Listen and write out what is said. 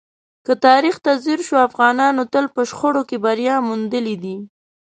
که تاریخ ته ځیر شو، افغانانو تل په شخړو کې بری موندلی دی.